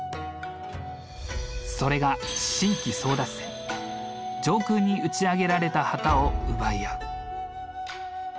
それが上空に打ち上げられた旗を奪い合う。